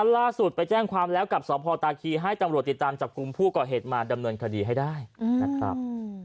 ล่าสุดไปแจ้งความแล้วกับสพตาคีให้ตำรวจติดตามจับกลุ่มผู้ก่อเหตุมาดำเนินคดีให้ได้นะครับ